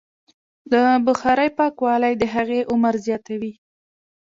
د بخارۍ پاکوالی د هغې عمر زیاتوي.